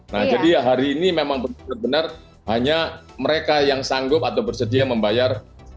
nah jadi hari ini memang benar benar hanya mereka yang sanggup atau bersedia membayar